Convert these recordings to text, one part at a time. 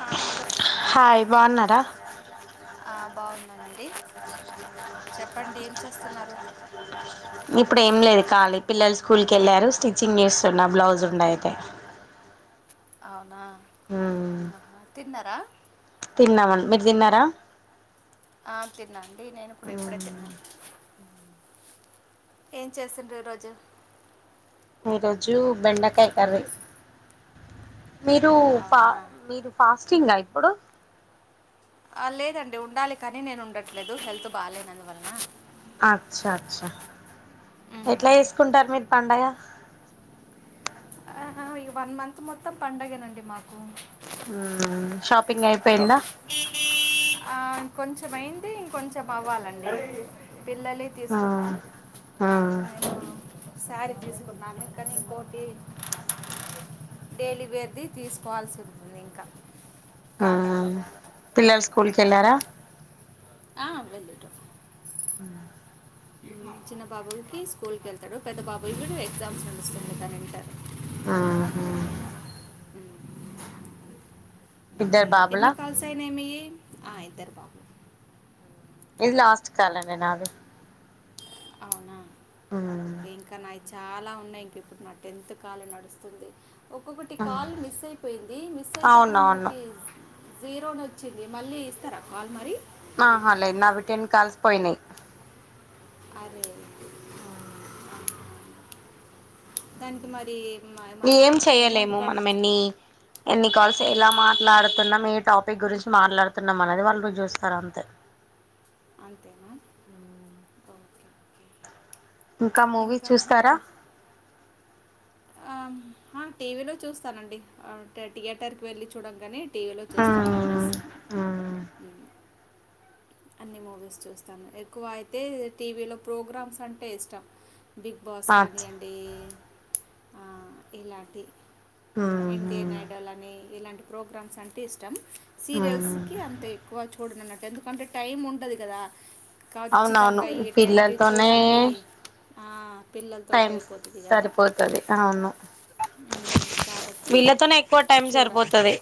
హా hello hi బాగున్నారా బాగున్నానండి చెప్పండి ఏం చేస్తున్నారు కాళీ పిల్లలు స్కూల్ క వెళ్ళారు స్టిచ్చింగ్ చేస్తున్న బ్లౌజ్ ఉండయితే అవునా అహా తిన్నార తిన్నామ అండి మీరు తిన్నారా అ తిన్నాండి నేను కూడాప్పు ఎప్పుడే తిన్నాను ఏం చేసింరూ ఈ రోజు ఈరోజు బెండకాయ కర్రీ మీరు ఫ అవునా మీరు ఫాస్టింగ్ ఆ ఎప్పుడు ఆ లేదండి ఉండాలి కానీ నేను ఉండట్లేదు హెల్త్ బాలేదు అందువలన అచ్చా అచ్చా ఉమ్. ఎట్లా చేసుకుంటారు మీరు పండగ ఈ వన్ మంత్ మొత్తం పండుగేనండి మాకు ఆ షాపింగ్ అయిపోయిందా కొంచెం అయింది ఇంకొంచెం అవ్వాలండి పిల్లలే మ్మ్. తీసుకున్నాం మ్మ్. నేను శారీ తీసుకున్నాను కానీ ఇంకోటి డైలివేర్ది తీసుకోవాల్సి ఉంటంది ఇంకా ఆ కాటన్లో పిల్లలు స్కూల్కెళ్ళారా ఆ [inaudible] చిన్న బాబుకి స్కూల్ క వెళ్తాడు పెద్ద బాబు కూడా ఎగ్జామ్స్ నడుస్తుంది తను ఇంటర్ ఆహ ఉమ్, ఇద్దరు బాబులా ఎన్ని కాల్స్ అయినాయి మీ ఆ ఇద్దరు బాబులు ఇది లాస్ట్ కాలాండీ నాది అవునా మ్మ్. ఓకే ఇంకా నాయి చాలా ఉన్నాయి ఇంక ఇప్పుడు నా టెన్త్ కాల్ నడుస్తుంది ఒక్కొక్కటి మ్మ్. కాల్ మిస్ అయిపోయింది మిస్ అయితే అక్కడ అవునవును మనకి జీరోని వచ్చింది మళ్ళీ ఇస్తారా కాల్ మరి ఆహా లేదు నావి టెన్ కాల్స్ పోయినాయి అరే ఆ దానికి మరి మ- ఏమన్నా ఏం అమౌంట్ చెయలేము మనం కట్ ఎన్ని ఎన్ని కాల్స్ ఆ, ఎలా మాట్లాడుతున్నాం టాపిక్ గురించి మాట్లాడుతున్నాం అనది వాళ్ళు నువ్వు చూస్తారు అంతే అంతేనా ఓకే ఓకే ఇంకా మూవీ చూస్తారా ఆ, టీవీలో చూస్తానండి థియేటర్కి వెళ్ళి చూడం కానీ టీవీలో చూస్తాను మ్మ్ మూవీస్ అన్ని మూవీస్ చూస్తాను ఎక్కువ అయితే టీవీలో ప్రోగ్రామ్స్ అంటే ఇష్టం బిగ్ బాస్ అచ్చ కానీ అండి ఆ ఇలాంటి ఇండియన్ మ్మ్ ఐడల్ అని ఇలాంటి ప్రోగ్రామ్స్ అంటే ఇష్టం సీరియల్స్ మ్మ్ కి అంత ఎక్కువ చూ [unintelligible] ఎందుకు అంటే టైం ఉంటది కదా అవునవును ఖచ్చితంగా ఈ టైంకి పిల్లలతోనే చూడాలని ఆ, పిల్లలతో టైం అయిపోతుంది కదా సరిపోతుది అవును మ్, కాబట్టి వీళ్ళతోనే ఎక్కువ టైం చూడ సరిపోతుది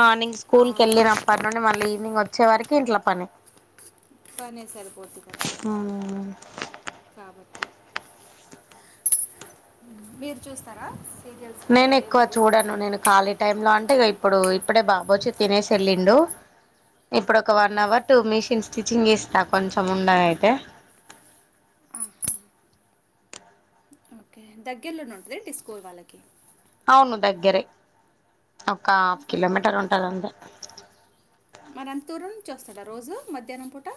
మార్నింగ్ స్కూల్ అవును వెళ్ళినప్పటి నుండి మళ్ళీ ఈవినింగ్ వ వచ్చే వరికి ఇంట్లో పని పనీ సారే పోద్ది కదా మ్మ్ కాబట్టి మీరు చూస్తారా సీరియల్స్ నేను కానివ్వండి ఎక్కువ మూవీస్ చూడాను కానివ్వండి నేను ఖాళీ టైం లో అంటే ఇప్పుడు ఇప్పుడే బాబోచి తినేసి వెళ్ళిండు ఇప్పుడు ఒక one hour two machines stitching చేస్తా కొంచెం ఉండ అయితే ఓకే దగ్గర్లోనే ఉంటదేంటి స్కూల్ వాళ్ళకి అవును దగ్గరే ఒక హాఫ్ కిలోమీటర్ ఉంటదంటే మరి అంత దూరం నుంచి వస్తాడా రోజు మధ్యాహ్నం పూట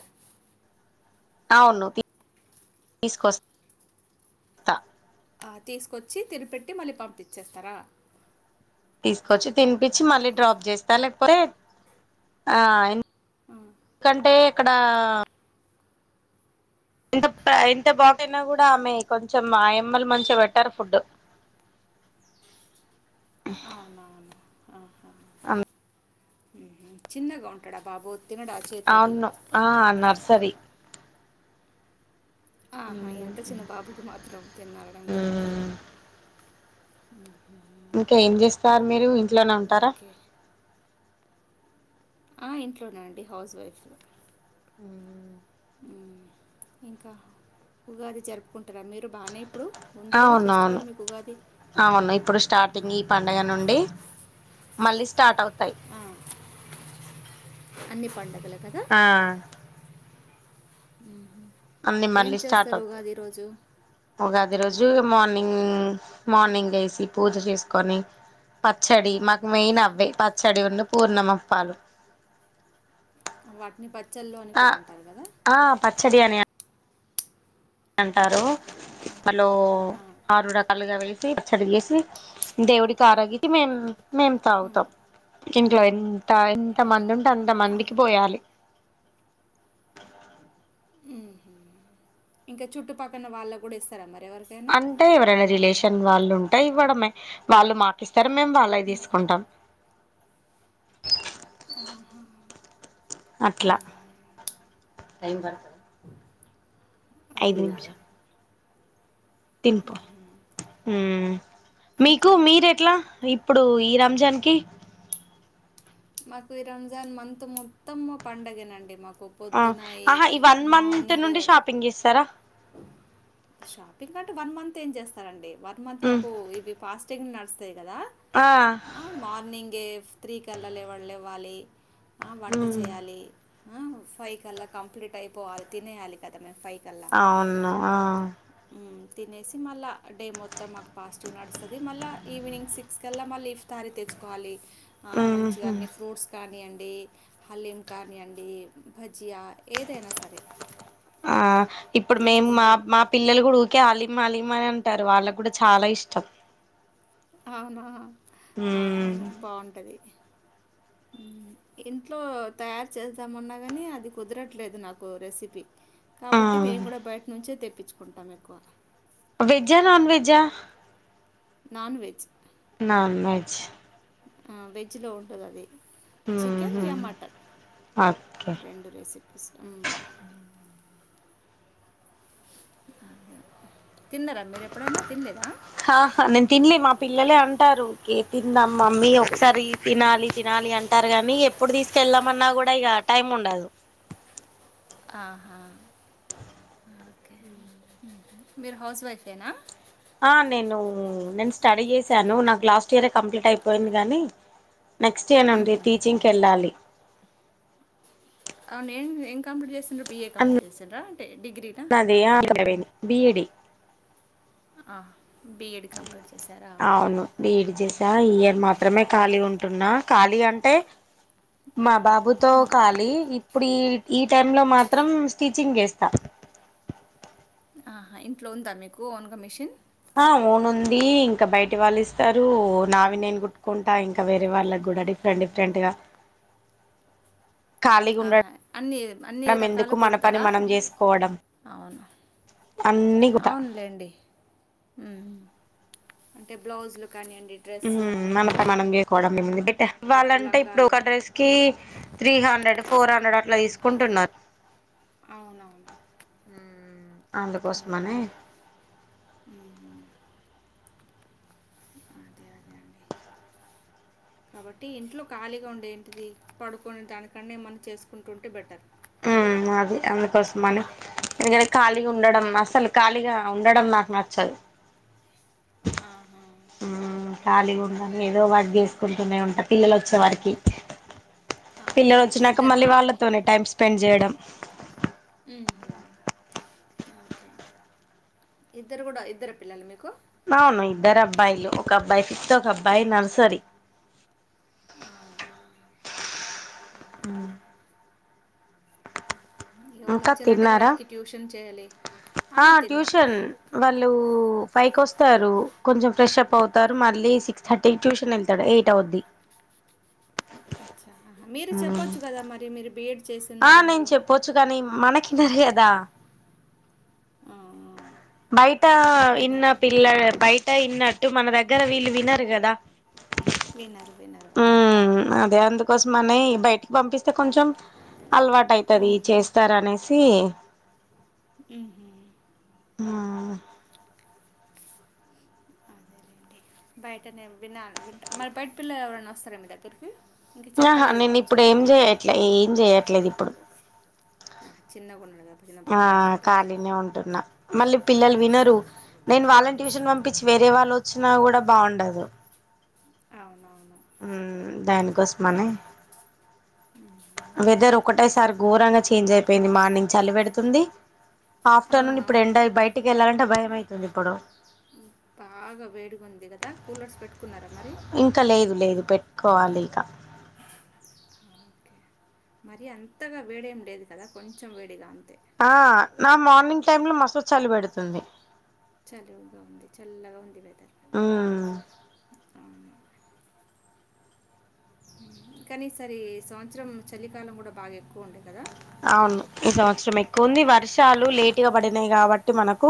అవును తీసుకొస్తా తీసుకొచ్చి తినిపెట్టి మళ్ళీ పంపించేస్తారా తీసుకొచ్చి తినిపించి మళ్ళీ ఆ, డ్రాప్ చేస్తా లేకపోతే ఆ ఎన్ కంటే అక్కడ ఎంత ఎంత బాకయినా కూడా ఆమె కొంచెం ఆయమ్మలు మంచి పెట్టారు ఫుడ్ అవునువును ఆహా అమ్ మ్మ్ చిన్నగా ఉంటాడా బాబు తినడా చేతితోటి అవును ఆ నర్సరి ఆహా ఎంత చిన్న బాబుకి మాత్రం తిన్నారడానికి రాదు కదా హ్మ్ హు ఇంకా ఏమి చేస్తారు మీరు ఇంట్లోనే ఉంటారా ఓకే ఆ ఇంట్లోనే అండీ హౌస్ వైఫ్ హ్మ్ మ్మ్ ఇంకా ఉగాది జరుపుకుంటారా మీరు బానే ఇప్పుడు ఉంది కదా అవునవును ఫెస్టివల్ మీకు ఉగాది అవును ఇప్పుడు స్టార్టింగ్ ఈ పండుగ నుండి మళ్ళీ స్టార్ట్ అవుతు తయి ఆ, అన్ని పండుగలకు ఆ మ్మ్ హ్మ్ అన్ని మళ్ళీ స్టార్ట్ అవుతాయి ఉగాది రోజు మార్నింగ్ మార్నింగ్ వేసి పూజ చేసుకొని పచ్చడి మాక్ మెయిన్ ఉమ్. అవే పచ్చడి ఉన్నప్ పూర్ణమప్పాలు వాటిని పచ్ ఆ ఆ పచ్చడియనీ అన్ అంటారు మలో ఆ. ఆరుడ కలుగా వెళ్ళ తీ పచ్చడి చేసి దేవుడికారగిచ్చి మేం మేం తాగుతాం ఇంట్లో ఎన్ త ఎంత మంది ఉంటే అంత మందికి పోయాలి మ్మ్ హ్మ్ ఇంకా చుట్టుపక్కన వాళ్ళకు కూడా ఇస్తారా మరి ఎవరికైనా అంటే ఎవరైనా రిలేషన్ వాళ్ళు టె ఇవ్వడమే వాళ్ళు మాకిస్ తరు మేము వాళ్ళవి తీసుకుంటాం ఆహ అట్ల టైమ్ ప అ ఐదు నిమిషం తింపు మ్మ్ మీకు ఇంకా మీరు ఎట్లా ఇప్పుడు ఈ రంజాన్ కి మాకు ఈ రంజాన్ మంత్ మొత్తం పండగేనండి మాకు ఆ పొద్దున్నాయి ఆహా ఈ వన్ మంత్ మార్నింగ్ నుండి షాపింగ్ చేస్తారా షాపింగ్ కంట్ వన్ మంత్ ఏం చేస్తారండి వర్మంత్ మ్మ్ మాకు ఇవి పాస్ చె నర్స్త కదా ఆ మార్నింగ్ స్త్ర్రీ కి వెళ్ళలే వాళవ్వాలి వంట మ్మ్ చేయాలి ఫై కల్లా కంప్లీట్ అయిపోవాలి తినేయాలి కదా మేము ఫైవ్ అవును ఆ హ్మ్. తినేసి మళ్ళా డే మొత్తం మాకు పాజిటివ్ నడుస్తుంది మళ్ళీ ఈవినింగ్ సిక్స్కి వెల్లా మళ్ళీ ఈఫ్ తారీ తెచ్చుకోవాలి ఆ మ్మ్ హ్మ్ మంచిగాన్ని ఫ్రూట్స్ కానీ అండి డి హలీం కానీయండి బజ్జియ ఏదైనా సరే ఆ ఇప్పుడు మేము మా తెచ్చుకుంటాం. మా పిల్లలు కూడా ఊకే హలీం హలీం మరి అంటారు వాళ్ళకి కూడా చాలా ఇష్టం అవును మ్మ్ అవును బాగుంటుంది ఇంట్లో తయారు చేద్దామున్నా కాని అది కుదరట్లేదు నాకు రెసిపీ ఆ కాబట్టి మేము కూడా బయట నుంచే తెకు తప్పించుకుంటాం ఎక్కువ వెజా హా నాన్ వెజా ఆ నాన్ వెజ్ నన్ వెజ్ ఆ వెజ్ లో ఉంటది అది చికెన్ ఉహు యా మటన్ ఓకే రెండు రెసిపీస్ అదే. తిన్నారా మీరెప్పుడైనా? తినలేదా? ఆహా నేను తినలే మా పిల్లలే అంటారు తిందాం మమ్మీ ఒకసారి తినాలి తినాలి అంటారు కాగానీ ఎప్పుడు తీసుకెళ్ళామన్నా కూడా ఇక టైం ఉండదు ఆహా అ మీరు హౌస్ వైఫేనా ఆ నేను నేను స్టడీ చేసాను నాకు లాస్ట్ ఇయరే కంప్లీట్ అయిపోయింది గానీ నెక్స్ట్ ఇయర్ నుండి టీచింగ్కి వెళ్ళాలి అవును ఏం ఏం కంప్లీట్ చేసిండ్ర బిఏ కంప్లీట్ చేసన్రా డి డిగ్రీనా బీడి ఆ బీఎడ్ కంప్లీట్ చేశారా? ఓకే. అవును బీడి చేసా ఈయర్ మాత్రమే ఖాళీ ఉంటున్నా ఖాళీ అంటే మా బాబుతో ఖాలీ ఇప్పుడు ఈ ఈ టైమ్లో మాత్రం స్టిచింగ్ చేస్తా అహా ఇంట్లో ఉందా మీకు ఓన్గా మిషిన్ ఆ ఓన్ ఉంది ఇంకా బయటి వాళ్ళు ఇస్తారు నావి నేను కుట్టుకుంటా ఇంకా వేరే వాళ్ళకి కూడా డిఫరెంట్ డిఫరెంట్ గా ఖాళీగా అహా ఉండడం అన్నీ అన్నీ రకాల ఎందుకు మన పని కుడతారా మనం చేసుకోవడం అవును అన్ని కూడా అవునులేండి ఉమ్ హూ అంటే బ్లౌస్లు ఉమ్ మన పని మనం చేసుకోవడం ఏముంది బిడ్డా పట్టు ఇవ్వాలంటే ఇప్పుడు లంగాలు. ఒక డ్రస్ కి త్రీ హండ్రెడ్ ఫోర్ హండ్రెడ్ అట్లా తీసుకుంటున్నారు అవునవును ఉమ్ అందుకోసమని ఉమ్ కాబట్టి ఇంట్లో ఖాళీగా ఉంటే ఏంటిది పడుకొని దానికన్నా ఏమన్నా చేసుకుంటుంటే బెటర్ ఉ అది అందుకోసం అని ఎందుకంటే ఖాళీగా ఉండడం అసలు ఖాళీగా ఉండడం నాకు నచ్చదు అహా ఉమ్ కాలిగుం ఏదో వర్క్ చేసుకుంటూనే ఉంటా పిల్లలు వచ్చే వరికి పిల్లలు అవునా! వచ్చినాక ఇద్దరా? మళ్ళీ వాళ్ళతోనే టైమ్ స్పె స్పెండ్ జేయడం ఉమ్ ఓకే ఇద్దరు కూడా ఇద్దరు పిల్లలా మీకు అవును ఇద్దరు అబ్బాయిలు ఒక అబ్బాయి ఫిఫ్త్ ఒక అబ్బాయి నర్సరి అవునా! ఊ ఇక వాళ్ళు ఇంకా వచ్చారంటే తిన్నారా వాళ్ళకి ట్యూషన్ చేయాలి ఆ ట్యూషన్ వాళ్ళు ఫైవ్ కి వస్తారు కొంచెం ఫ్రెష్అప్ పోతారు మళ్ళీ సిక్స్ థర్టీ కి ట్యూషన్ వెళ్తాడు ఎయిట్ అవుద్ది అచ్చా అహా మీరు చెప్పొచ్చు కదా మరి మీరు బియడ్ ఆ నేను చెప్పొచ్చు కాని మనకి తెలియదా అవును బయట ఇన్న పిల్ల బయ బయట విన్నట్టు మన దగ్గర వీళ్ళు వినరు గదా వినరు వినరు అవును కోసంమనే బయటికి పంపిస్తా అయితే కొంచెం అలవాటు ఐతది చేస్తారనేసి క్చి హూ ఉమ్ అవును అదేలేండి బయటనే వినాలి మరి బయట పిల్లలు ఎవరన్నా వస్తారా మీ దగ్గరకి అహా నేను ఇప్పుడు ఏం చెయట్లే ఏం చెయ్యట్లేదు ఇప్ ప్పుడు ఆ, చిన్నగా ఉన్నాడు కదా చిన్న ఆ బాబు కాబట్టి ఖాళీనే ఉంటున్నా మళ్ళీ పిల్లలు వినరు నేను వాళ్ళని ట్యూషన్ పంపించి వేరే వాళ్ళు వచ్చినా కూడా బాగుండదు. అవును హు దానికోసమని [inaudible] వెదర్ ఒకటే సారి ఘోరంగా చేంజ్ అయిపోయింది మార్నింగ్ చలి పెడుతుంది ఆఫ్టర్నూన్ ఇప్పుడు అవునవును ఎండ బయటికి వెళ్ళాలంటే భయం అయితుంది ఇప్పుడు బాగా వేడిగా ఉంది కదా కూలర్స్ పెట్టుకున్నారా మరి కోవాలిగా మరి అంతగా వేడేం లేదు కదా కొంచెం వేడిగా ఆ నా మార్నింగ్ టైమ్ లో మస్త్ చలి పెడుతుంది. చల్లగా ఉంది చల్లగా ఉంది వెదర్ మ్మ్ కానీ ఈసారి సంవత్సరం చలికాలం కూడా బాగా ఎక్కువ ఉండేది కదా అవును ఈ సంవత్సరం ఎక్కువంది వర్షాలు లేటుగా పడినాయి కాబట్టి మనకు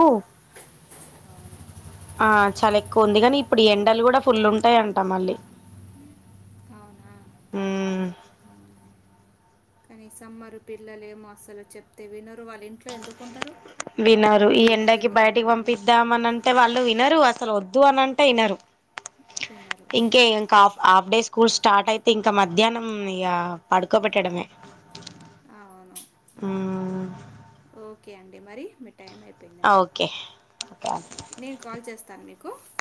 ఆ చాలా ఎక్కువంది కాని ఇప్పుడు ఎండలు కూడా ఫుల్ ఉంటాయంటా మళ్ళీ అవునా? హు కనీసం పిల్లలు ఏమో అసలు చెప్తే వినరు. వాళ్ళ ఇంట్లో ఎందుకుంటారు? వినరు అటు ఈ ఇటు ఎండాకి తిరుగుతా బయటికి ఉంటారు. పంపిద్దామని అంటే వాళ్ళు వినరు అసలు వద్ వద్దు అని అంటే వినరు వినరు. ఇంకే ఇంకా half half day schools start అయితే ఇంకా మధ్యాహ్నం ఇక పడుకోబెట్టడమే ఆ అవును మ్మ్ ఓకే అండి మరి మీ టైం అయిపోయిందండి ఓకే ఓకే నేను కాల్ చేస్తాను మీకు కు